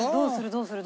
どうする？